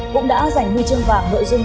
cũng đã giành huy chương vàng nội dung